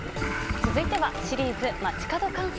続いては、シリーズ街角観測。